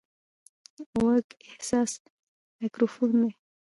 غوږ حساس مایکروفون دی.